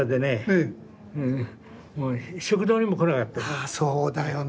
あそうだよね。